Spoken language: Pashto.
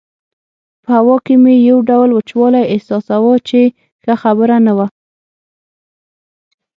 په هوا کې مې یو ډول وچوالی احساساوه چې ښه خبره نه وه.